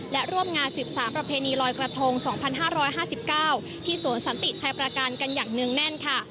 และร่วมงาน๑๓ประเพณีลอยกระทง๒๕๕๙ที่สวนสันติชัยประการกันอย่างเนื่องแน่นค่ะ